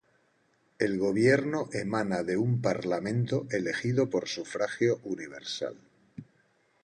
El gobierno emana de un Parlamento elegido por sufragio universal.